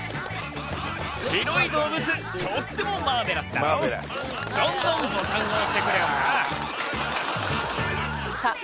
白い動物とってもマーベラスだドンドンボタンを押してくれよなさあ